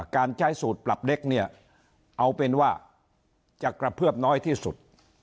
การใช้สูตรปรับเล็กเนี่ยเอาเป็นว่าจะกระเพื่อบน้อยที่สุด